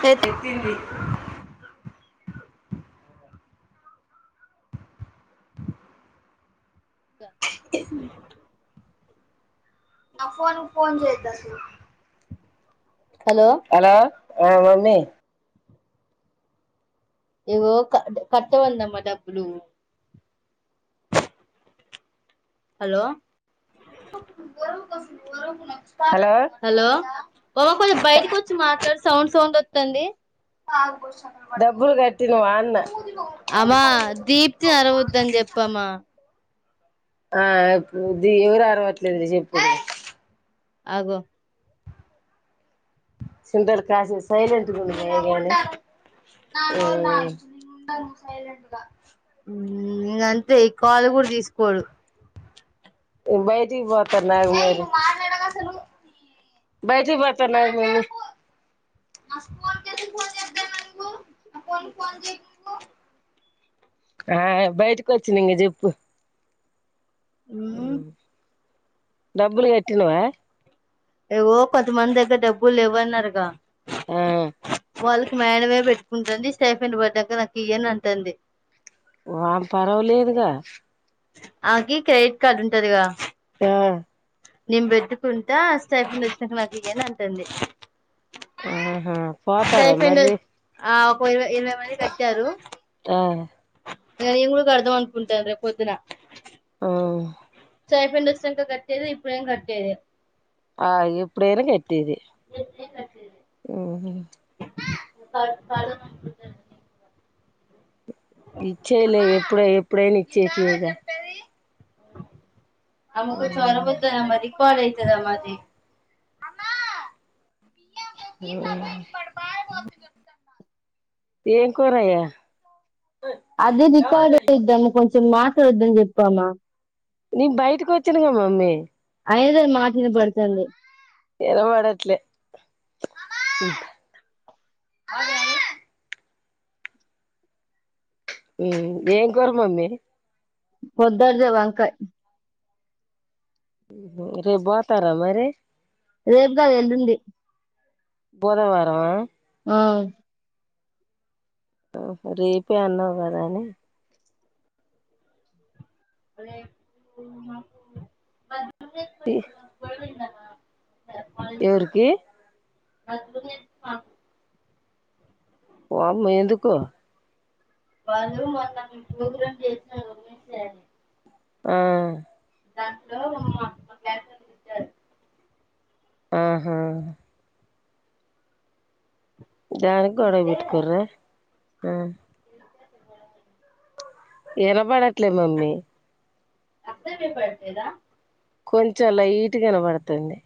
తే తిత్తింది గ నా ఫోన్ ఫోన్ చేయ్ దాంట్లో హలో ఆ మమ్మీ ఏవో క కట్ట వందమ్మా డబ్బులు హలో ప బరువు కసలు వరున్నాచ్ హలో అమ్మ కొంచం బయటకి వచ్చి మాట్లాడు సౌండ్ చో వస్తుండి డబ్బులు కట్టినావ అన్న అమ్మా దీప్తి నీ అరవద్దని చెప్పమ్మా ఆ ఇప్పుది ఎవరు అరవట్లేదు చెప్పు ఆగో సుందర్కాసి సైలెంట్ గా ఉండు నేన అంతే ఇ కాళ్లు కూడా తీసుకోడు బై బయటికి పోత ఆగు మరి బయటికి పోతుా బయటకి వచ్చి చెప్పు ఆ డబ్బులు కట్టి నావ ఏగో కొంతమంది దగ్గర డబ్బులు ఇవ్వన్నారుగా ఆ వాళ్ళకి మేనమే పెట్టుకుంటుంది సైఫెం పడ్డాక నాకు ఇయ్యాను అంటుంది వా పర్వలేదుగా ఆకి క్రెడిట్ కార్డు ఉంటదిగా ఆ నేను బిడ్డుకుంటా స్ైపుంది వచ్చినట్టు నాకు ఇయ్యాను అంటుంది ఆ సేఫ ఆ [unintelligible] ఇరవై మంది కట్టారు ఆ ఇంకా నేను కూడా కడుదాం అనుకుంటున్న రేపు పొద్దునా ఆ [unintelligible] కట్టేది ఇప్పుడేం కట్టేది ఆ ఎప్పుడైనా క ది [unintelligible] ఇచ్చేలే ఇప్పుడ ఎప్పుడైనా ఇచ్చే [unintelligible] [unintelligible] [unintelligible] అయితాద మరి అమ్మ [unintelligible] ఏం కూర అదే రికార్డు అయిద్ది అమ్మా కొంచెం మా ద్దం చెప్పమా నీ బైటికి వచ్చనుగా మమ్మీ ఐదొది మాట ఇనపడతాంది. ఇనబడట్లే మి ఏం కోర మమ్మి పొద్దద్దొడ్దే వంకయ్ రేప్ పోతారా మరి రేప్ గాద్ ఎళ్ళుండి. బోధవారమ ఆవ్ హాహ రేపే అన్నావ్ కదా అని రేపు మాకు బద్ [unintelligible] ఎవురికి [unintelligible] వామ్మ్ ఎందుకో వాళ్ళు మొన్న, ప్రోగ్రామ్ చేసారు [unintelligible] ఆ దాంట్లో, మ [unintelligible] ఇచ్చారు. ఆహా జానిక్ గొడక్ బెట్కోర ఆ ఇనపడట్లే మమ్మీ అస్సల్ వినపడట్లేద కొంచెం లైట్ కనబడుతుంది.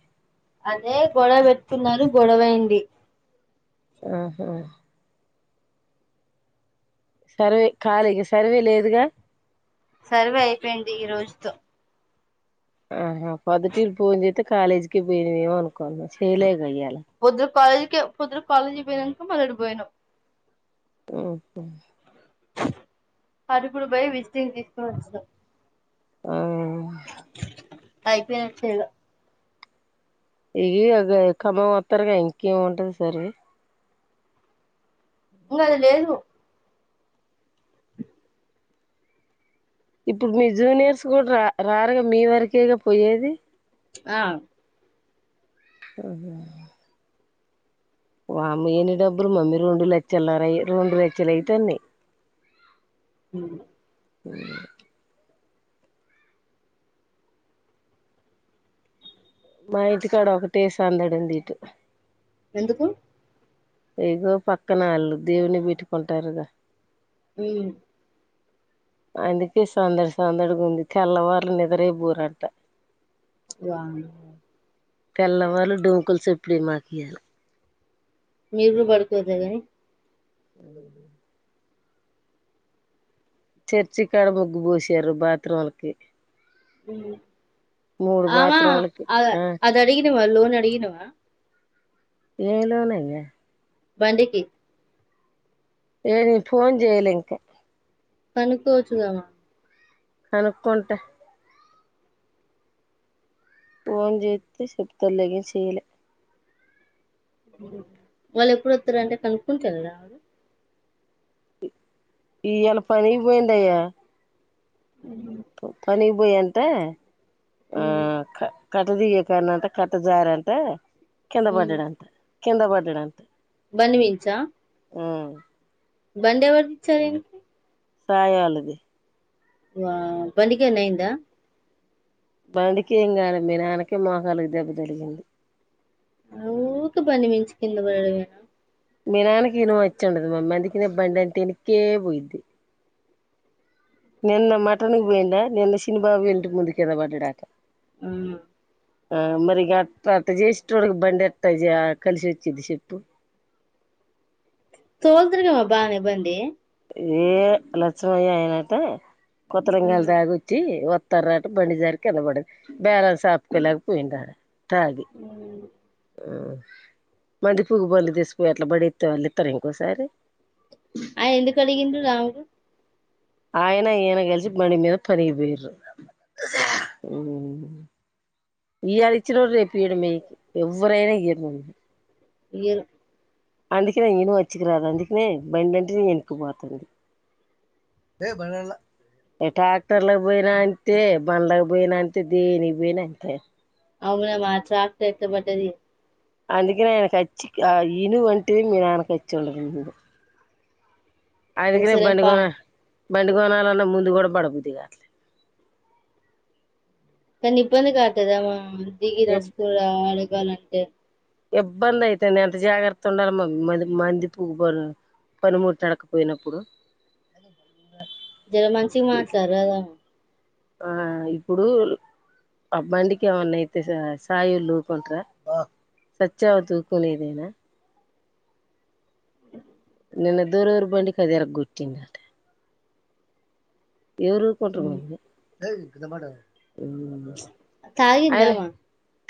అదే గొడవ పెట్కున్నారు గొడవైంది. ఆహ సర్వే కాళేకి సర్వే లేదుగా సర్వే అయ్ పెయింది ఈ రోజుతో ఆహా పొద్దటిల్ ఫోన్ చేత్తే కాాలేజీకి పోయినేవొ అను కున్న చేయ్లేగ ఇయాల కె పొద్దురు కాలేజి పోయినంక మళ్ళ అడిపోయనం. ఉహు అరుపుడు పోయ్ విజ్టింగ్ తీసుకొని వచ్చిన ఆ ఐపినయ్ చ్చెల్ల్ ఇగి వద్ ఇ ఖమ్మం వత్తరుగా ఇంకేమి ఉంటది సర్వి ఇంగ అది లేదు. ఇప్పుర్ మీ జూనియర్స్ కూడా రా రారుగా మీ వరకేగా పోయేది. ఆ ఆహ వామ్ము యన్ని డబ్బులు మమ్మీ రెండు లెచ్చల్లారయి, రెండు లెచ్చలు అయ్ తన్నయ్. హు హు మా ఇంటి కాడ ఒకటే సందడుంది ఇటు ఎందుకు ఇగో పక్కన వాళ్ళు దేవుని పెట్టుకుంటారుగా ఉమ్ అందుకే సందడి సందడిగా ఉంది తెల్లవార్లు నిద్రే పోరంట వా తెల్లవార్లు డూకులు సప్పుడే మాకు ఇయాల మీరు కూడా పడుకో వద్దనీ ఎ చర్చి కాడ ముగ్గు పోశారు బాత్రూమ్ లకి ఆ మా బాత్రూంలకి అ ఆ అది అడిగి లోన్ అడిగినవా ఏలోనే అయా బండికి ఏ నే ఫోన్ చేయలేం ఇంకా కనుకో వచ్చుదమా కనుక్కుంట పోన్ చేస్తే చెప్పత్తారు లే గాని చేయలే వాళ్ళు ఎప్పుడు వస్తారు అంటే కనుక్కుంట వెెళ్ళరా ఈ యలా పనికి పోయిందయా పని పోయి ఎంత ఆ ఆవిడ కట్టదిగే కడాన అంట కట్ట జారంట కింద పడ్డదంట కింద పడ్డాడు అంట బండి మీదనుంచా ఆ బండి ఎవరు ఇచ్చారూ ఈనకి సాయి వాళ్ళది వా బండి కైమైన అయ్యిందా బండికి ఏం కాల మీ నాన్నకే మోకాలుకి దెబ్బ తగిలింది ఊ కే బండి మీద నుంచి కింద పడడమేనా మీ నాన్నకి ఇను వచ్చండదు మమ్మ అందుకని బండి అంట ఇనకే పోయిద్ది నిన్న మటన్ కు పోయిండా నిన్న చిన్నిబాబు ఇంటి ముందు క్రింద పడడట అ ఆ మరిగా అట్ అటా చేసేటోడికి బండి ఎటా యిఆ కలిసి వచ్చింది చెప్పు తోల్ తారు గమా బానే బండి ఏ లక్షమయ్య అయినట్టే కొత్తరంగల్ ఉమ్ దాగోచ్చి తరువాత బండి జారి కింద పడ్డాడు బ్యాలెన్స్ అప్పుకోలేక పోయిండు ఆడా తాగి ఉమ్ ఆ మంది పువ్గు బళ్ళు తీసుపోయి అట్లా పడేస్తే వాళ్ళు ఇస్తారు ఇంకోసారి ఆ ఎందుకడిగింది రావు ఆయన ఈయన కలిసి బండి మీద పనికి పోయిండ్రు ఇయాళ ఇచ్చినోడు రేపీయడు మీకి ఎవ్వరైనా ఇయ్యరు ఇయ్యరు అందుకనే నేను వచ్చికి రాదు అందుకనే బండి అంటే ఎనుకిపోతుంది ట్రాక్టర్లకి పోయినా అంతే బండ్కి పోయినా అంతే దేనికి పోయినా అంతే అవునా మా [unintelligible] బట్టది అందుక నా అచ్చి ఇను వంటద మీ నానకుచ్చి ఉండరుంది అందుకనే ఒకసారేం బండి పా కొన బండి కొనాలన్నా ముందు కూడా పడపోద్ది కాట్లే కానీ ఇబ్బంది కాతదామా దిగి నడస్త రా అడగాలంట ఏ ఇబ్బంది అయితుంది ఎంత జాగ్రత్త ఉండాల మంది పనిముట్డకపోయినప్పుడు జర మంచిగా మాట్లాడరాదా ఆ ఇప్పుడు ఆ బండికి ఏమన్నాయితే సాయిలు ఊకుంటార సత్యావ తూకునేదైనా నిన్న దూరవరు బండి కి అది ఇరగ్గొట్టిందంట ఎవరు ఊరుకుంటారు ఉమ్ బాబు మాట తాగిందామా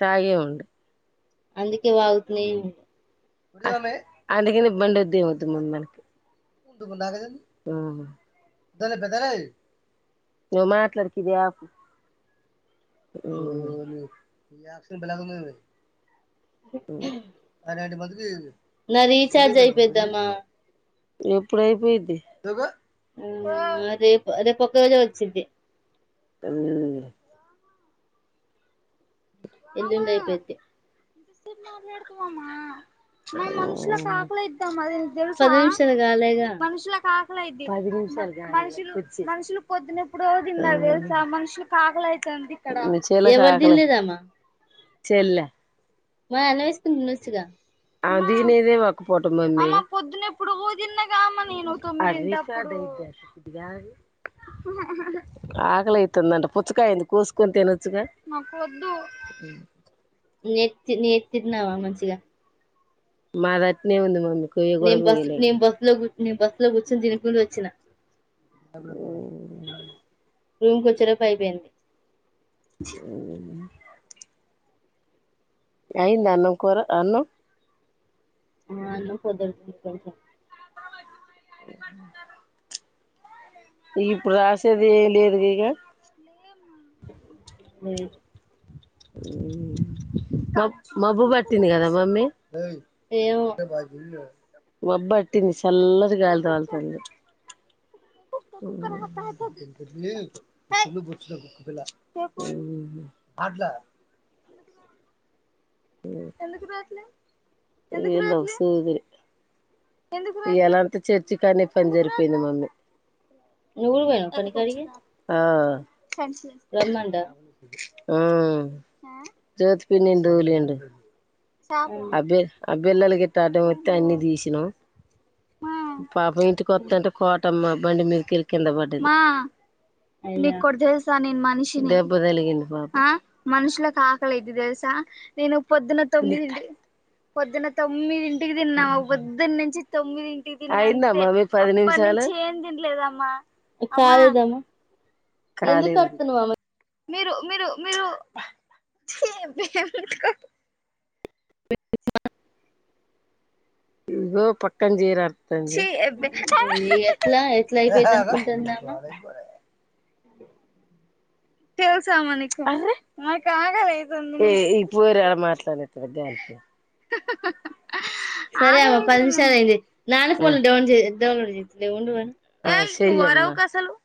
తాగి ఉం అందుకే వాగుతున్నాయి అందుకని బండి వద్దుద్ మ మన నువ మాట్లాడిది అరే అంట మ అడి నా రీచార్జ్ అయిపోద్దామా ఎప్పుడయిపోయిది ఆ అదే అదే ప రోజ వచ్చద్ది కమయుని ఎందుంట ఇపోతే మాట్లాడుతుంమ్మా మేము మనుషుల కాకులే ఇద్దాం అద పది నిమిషాలు కాలేగా మనుషు మనుషులు పొద్దునప్పుడుదిద మనుషులు కాకలవుతుంది ఎవరు తన్లేదమ్మా చెల్లే మా అలా వస్కుసిగా ఆ దీనిదే ఒక పూట మంది పొద్దున్నప్పుడున్న మ్ నను త [unintelligible] ఆకలయితుందంట పుచ్చకాయంది కోసుకుని తినొచ్చుగా, నాకు వద్దు. నేత్ నేతిన్నావా మంచిగా మా అత్నే ఉంది మమ్మీ కొయ్య కూడా నేమ్ బస్ కొయ్యలే నేమ్ బస్ లో నే బస్సు లో కూర్చొని తినకుం వచ్చిన [unintelligible] రూమ్కి వచ్చే లోపు అయిపోయింది. [unintelligible] అయింద అన్నం కూర అన్నం ఆ అన్నం పొద్దిటిదే [unintelligible] ఇప్పుడు రాసేది ఏ లేదు ఇక ఊ మబ్ మబ్బు పట్టింది కదా మమ్మీ ఏమో [unintelligible] మాబ్బాటింది చల్లటి గాలీ తొలతుంది [unintelligible] [inaudible] [unintelligible] ఈ ఎలాంత చర్చి కానీ పని జరిపోయింది మమ్మీ నూవ్వు కూడా పోయినవా పనీకాడకి [unintelligible] ఊ జోతి పిన్ని దూలింట [unintelligible] చేపల అవునా అబె అబ బెల్లలు గట్టాటం వే అన్ని తీసినాం ఊ పాప ఇంటికొత్తంటే కొ అత్తమ్మ బండి మీద కెళ్ళి కింద పడ్డది. మా అయినా నికొటి చేసా నిన్ మ మనిషి దెబ్బ తగిలింది పాపం అ మనుషులకి ఆకలిఅయితది తెలుసా. నేను పొద్దున తొమ్మిదింటి [unintelligible] పొద్దున తొమ్మిదింటికి తిన్నామా పొద్దున్న నుంచి తొమ్మిదింటికి అయిందమ్మా మి పది నిముషాలు అప్పటి నుంచి ఏం తినలేదమ్మా. ఇది తాగేద్దమ్మ ఎందుకు ఎడుతునుమె మీరు మీరు మీరు [unintelligible] ఇగో పక్కం జీరా అతంది ఛీ ఎట్లా ఎట్లా అయిపోయింది అనుకుంటంటందామా. తెలుసామన నీకు అరె నాకు ఆకలి అయితుంది. ఏ పోరా మాట్లాడ దనికి హ్హ్హ్ సరే అమ్మ పది నిమిషాలు అయింది నాలుగు ఆ ఫన్ డౌన్ చే డౌన్లోడ్ చేయి డౌన్లోడ్ [unintelligible] కొరావు కసలు